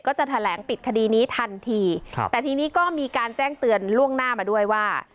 จะแถลงปิดคดีนี้ทันทีครับแต่ทีนี้ก็มีการแจ้งเตือนล่วงหน้ามาด้วยว่า